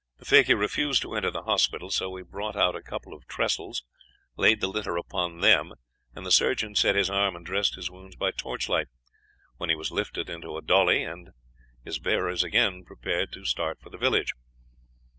"The fakir refused to enter the hospital, so we brought out a couple of trestles, laid the litter upon them, and the surgeon set his arm and dressed his wounds by torchlight, when he was lifted into a dhoolie, and his bearers again prepared to start for the village.